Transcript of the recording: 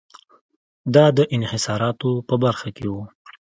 دا د انحصاراتو په برخه کې و.